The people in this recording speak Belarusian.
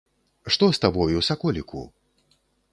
Што з табою, саколіку?!